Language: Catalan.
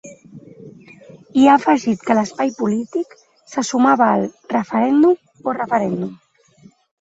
I ha afegit que l’espai polític se sumava al ‘referèndum o referèndum’.